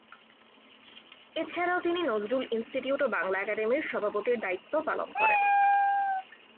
এছাড়াও তিনি নজরুল ইনস্টিটিউট ও বাংলা একাডেমির সভাপতির দায়িত্ব পালন করেন।